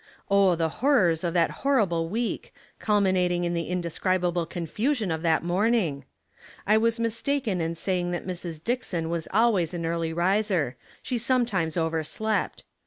Oh, the horrors of that horrible week, culminating in the indescribable confusion of that morning. I was mistaken in saying that Mrs. Dickson was always an early riser; she sometimes overslept.